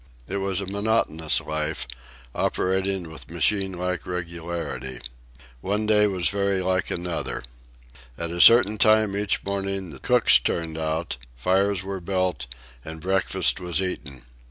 It was a monotonous life, operating with machine like regularity. One day was very like another. At a certain time each morning the cooks turned out, fires were built, and breakfast was eaten.